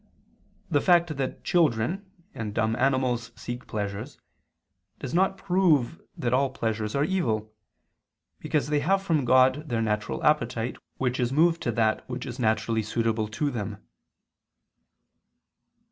The fact that children and dumb animals seek pleasures, does not prove that all pleasures are evil: because they have from God their natural appetite, which is moved to that which is naturally suitable to them.